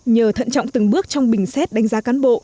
nhờ thận trọng từng bước trong bình xét đánh giá cán bộ